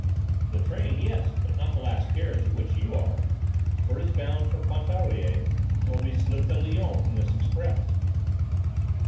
"The train, yes, but not the last carriage in which you are, for it is bound for Pontarlier, and will be slipped at Lyons from this express."